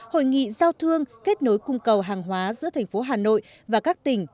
hội nghị giao thương kết nối cung cầu hàng hóa giữa thành phố hà nội và các tỉnh